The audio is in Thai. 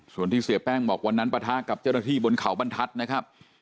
ส่วนที่เสียแป้งบอกวันนั้นปะทะกับเจ้าหน้าที่บนเขาบรรทัศน์นะครับ